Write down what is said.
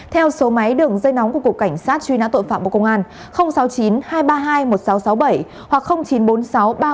theo số máy đường dây nóng của cục cảnh sát truy nã tội phạm của công an sáu mươi chín hai trăm ba mươi hai một nghìn sáu trăm sáu mươi bảy